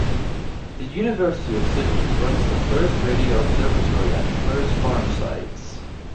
The University of Sydney runs the Fleurs Radio Observatory and Fleurs Farm sites.